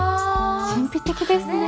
神秘的ですね。